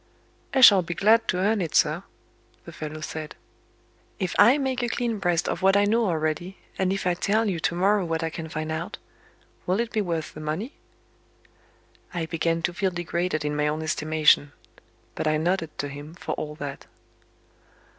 "I shall be glad to earn it, sir," the fellow said. "If I make a clean breast of what I know already, and if I tell you to morrow what I can find out will it be worth the money?" I began to feel degraded in my own estimation. But I nodded to him, for all that.